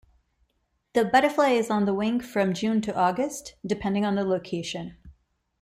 The butterfly is on the wing from June to August, depending on the location.